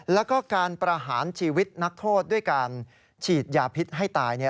แล้วก็การประหารชีวิตนักโทษด้วยการฉีดยาพิษให้ตาย